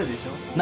何？